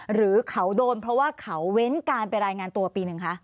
หรือเขาโดนเพราะว่าเขาเว้นการไปรายงานตัวปีหนึ่งคะ